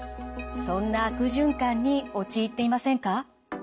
そんな悪循環に陥っていませんか？